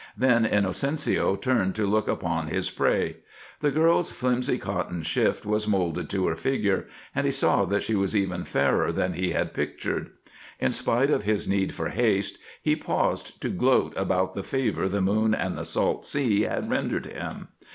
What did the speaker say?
Then Inocencio turned to look upon his prey. The girl's flimsy cotton shift was molded to her figure, and he saw that she was even fairer than he had pictured. In spite of his need for haste, he paused to gloat upon the favor the moon and the salt sea had rendered him.